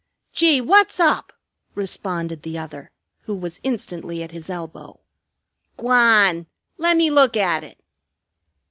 "Gee! Wot's up?" responded the other, who was instantly at his elbow. "Gwan! Lemme look at it."